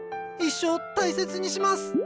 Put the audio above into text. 一生大切にします。